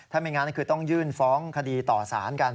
ถ้าไม่งั้นคือต้องยื่นฟ้องคดีต่อสารกัน